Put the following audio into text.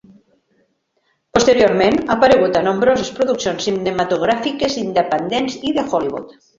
Posteriorment, ha aparegut a nombroses produccions cinematogràfiques independents i de Hollywood.